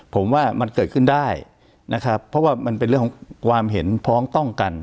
ผมว่ามันเกิดขึ้นได้นะครับเพราะว่ามันเป็นเรื่องของความเห็นพ้องต้องกัน